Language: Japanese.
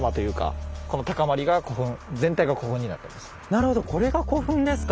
なるほどこれが古墳ですか。